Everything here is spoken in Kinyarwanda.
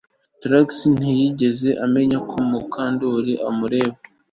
Trix ntiyigeze amenya ko Mukandoli amureba